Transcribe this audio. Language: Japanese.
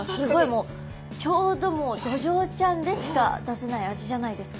もうちょうどもうドジョウちゃんでしか出せない味じゃないですか。